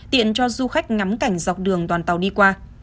tiện cho du khách ngắm cảnh dọc đường đoàn tàu đi qua